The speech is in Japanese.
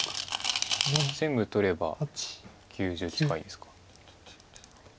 全部取れば９０近いですか。